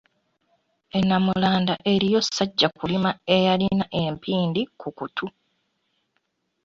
E Nnamulanda eriyo Ssajjakulima eyalina empindi ku kutu.